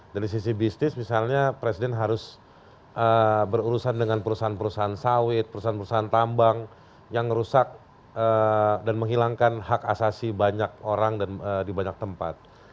dari sisi bisnis misalnya presiden harus berurusan dengan perusahaan perusahaan sawit perusahaan perusahaan tambang yang rusak dan menghilangkan hak asasi banyak orang di banyak tempat